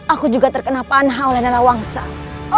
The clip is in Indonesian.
aku juga terkena paham oleh narawangsang